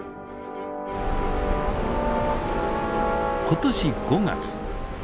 今年５月。